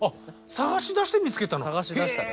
探しだして見つけたの。